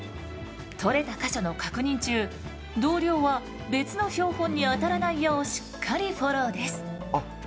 取れた箇所の確認中同僚は別の標本に当たらないようしっかりフォローです。